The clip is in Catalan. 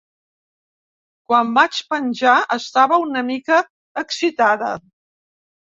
Quan vaig penjar estava una mica excitada.